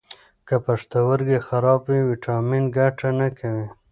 که پښتورګي خراب وي، ویټامین ګټه نه کوي.